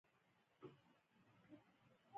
درس لولم.